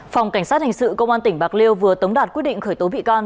phòng cảnh sát hình sự công an tỉnh bạc liêu vừa tống đạt quyết định khởi tố bị can